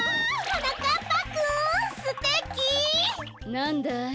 なんだい？